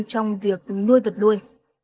trong việc nuôi vật nuôi